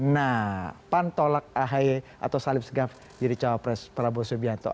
nah pan tolak ahy atau salim segaf jadi cawapres prabowo subianto